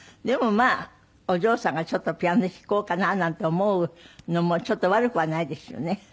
でもまあお嬢さんがちょっとピアノ弾こうかななんて思うのもちょっと悪くはないですよね。